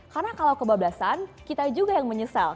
karena kalau kebablasan kita juga yang menyesal